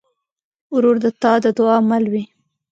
ورور د تا د دعا مل وي.